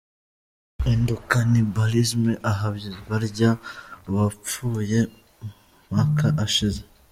Endocannibalism: Aha barya uwapfuye mpaka ashize.